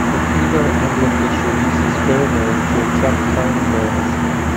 The female anglerfish releases pheromones to attract tiny males.